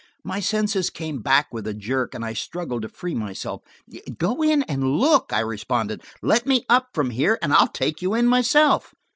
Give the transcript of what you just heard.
My senses came back with a jerk and I struggled to free myself. "Go in and look," I responded. "Let me up from here, and I'll take you in myself.